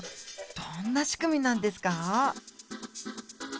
どんなしくみなんですか？